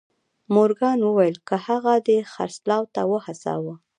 مورګان وویل که هغه دې خرڅلاو ته وهڅاوه